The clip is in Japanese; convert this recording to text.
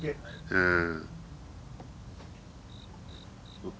うん。